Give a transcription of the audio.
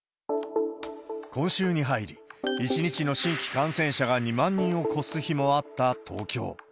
今週に入り、１日の新規感染者が２万人を超す日もあった東京。